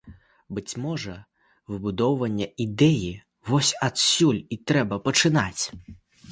Быць можа, выбудоўванне ідэі вось адсюль і трэба пачынаць.